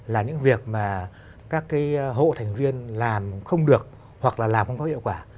là những việc mà các cái hộ thành viên làm không được hoặc là làm không có hiệu quả